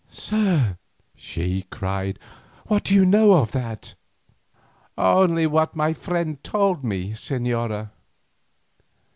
"Sir," she cried, "what do you know of that?" "Only what my friend told me, señora."